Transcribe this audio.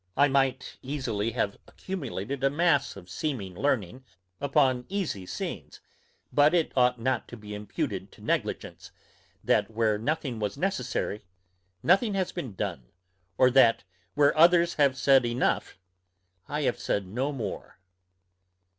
I might easily have accumulated a mass of seeming learning upon easy scenes; but it ought not to be imputed to negligence, that, where nothing was necessary, nothing has been done, or that, where others have said enough, I have said no more.